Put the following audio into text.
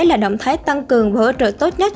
là động thái tăng cường hỗ trợ tốt nhất